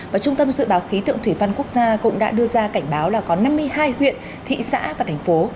và trung tâm dự báo khí tượng thủy văn quốc gia cũng đã đưa ra cảnh báo là có năm mươi hai huyện thị xã và thành phố